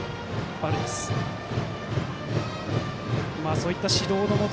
そういった指導のもと